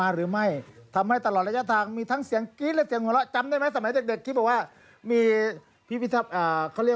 เข้าประสานพีศิงค์บ้านพีศิงค์แบบนี้หรือ